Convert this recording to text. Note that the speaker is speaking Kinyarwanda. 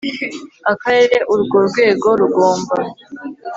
Akarere urwo rwego rugomba